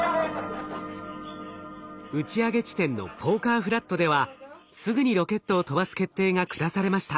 打ち上げ地点のポーカーフラットではすぐにロケットを飛ばす決定が下されました。